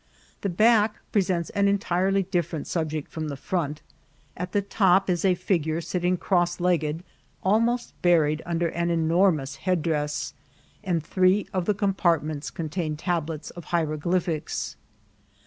The back presents an entirely different subject from the front. At the top is a figure sitting cross legged, almost buried under an enormous headdress, and three of the compartments contain tablets of hieroglyphics.